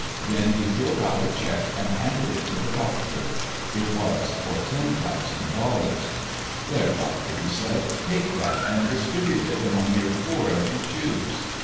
Then he filled out a check and handed it to the doctor. It was for ten thousand dollars. "There, doctor," he said, "take that and distribute it among your poor as you choose.